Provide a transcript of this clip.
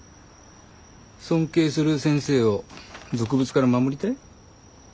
尊敬する先生を俗物から守りたい？